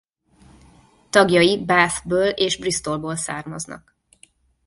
Tagjai Bath-ből és Bristolból származnak.